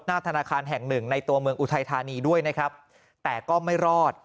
ธนาคารแห่งหนึ่งในตัวเมืองอุทัยธานีด้วยนะครับแต่ก็ไม่รอด